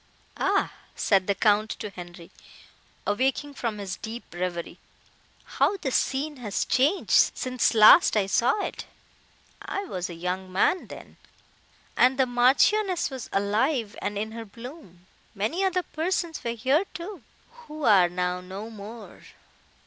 "Ah!" said the Count to Henri, awaking from his deep reverie, "how the scene is changed since last I saw it! I was a young man, then, and the Marchioness was alive and in her bloom; many other persons were here, too, who are now no more!